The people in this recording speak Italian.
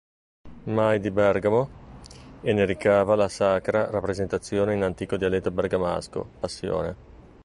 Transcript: Mai di Bergamo e ne ricava la sacra rappresentazione in antico dialetto bergamasco "Passione".